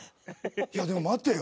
いやでも待てよ。